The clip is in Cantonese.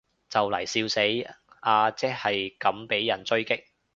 就嚟笑死，阿即係咁被人狙擊